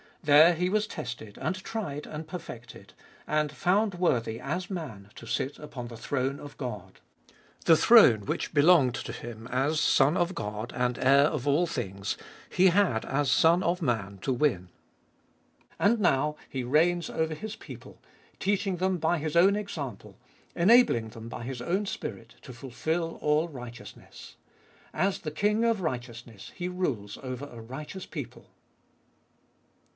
There He was tested, and tried, and perfected, and found worthy as man to sit upon Cbe iboltest of ail 57 the throne of God. The throne which belonged to Him, as Son of God and heir of all things, He had as Son of Man to win. And now He reigns over His people, teaching them by His own example, enabling them by His own Spirit to fulfil all righteousness. As the King of Righteousness He rules over a righteous people.